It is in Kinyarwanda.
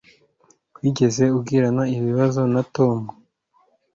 Wigeze ugirana ibibazo na Tom